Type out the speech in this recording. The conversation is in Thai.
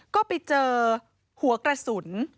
ก็ไปเจอหัวกระสุนคล้ายปืนลูก๒